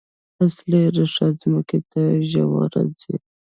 اصلي ریښه ځمکې ته ژوره ځي